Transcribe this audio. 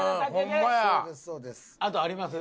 あとあります？